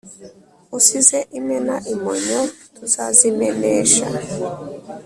Usize imena imonyo tuzazimenesha.